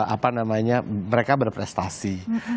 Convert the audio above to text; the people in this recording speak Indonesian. apa namanya mereka berprestasi